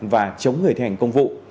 và chống người thi hành công vụ